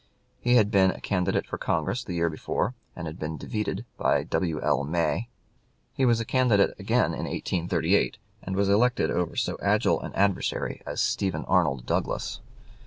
He had been a candidate for Congress the year before, and had been defeated by W. L. May. He was a candidate again in 1838, and was elected over so agile an adversary as Stephen Arnold Douglas.